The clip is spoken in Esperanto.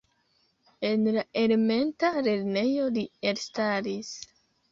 En la elementa lernejo li elstaris.